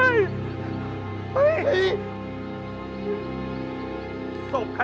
แล้วตอนนี้นะครับคุณผู้ชมพ่อฟังครับ